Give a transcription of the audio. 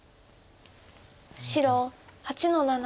白８の七。